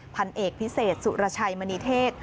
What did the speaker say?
พันเอกพิเศษสุรชัยมณีเทศ